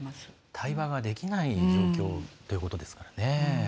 対話ができない状況ということですからね。